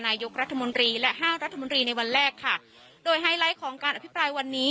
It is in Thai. นายกรัฐมนตรีและห้ารัฐมนตรีในวันแรกค่ะโดยไฮไลท์ของการอภิปรายวันนี้